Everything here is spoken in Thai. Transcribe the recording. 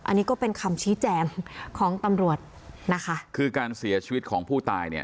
อันนี้ก็เป็นคำชี้แจงของตำรวจนะคะคือการเสียชีวิตของผู้ตายเนี่ย